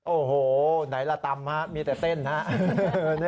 โอ้โหไหนละตำฮะมีแต่เต้นนะครับ